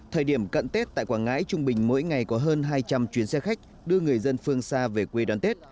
thời điểm cận tết tại quảng ngãi trung bình mỗi ngày có hơn hai trăm linh chuyến xe khách đưa người dân phương xa về quê đón tết